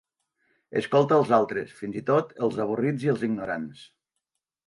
Escolta els altres, fins i tot els avorrits i els ignorants